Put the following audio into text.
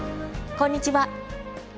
こんにちは。